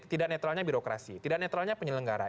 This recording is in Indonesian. tidak netralnya birokrasi tidak netralnya penyelenggara